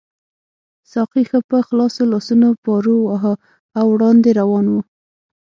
ساقي ښه په خلاصو لاسونو پارو واهه او وړاندې روان وو.